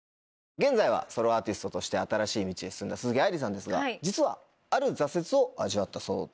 現在はソロアーティストとして新しい道へ進んだ鈴木愛理さんですが実はある挫折を味わったそうです。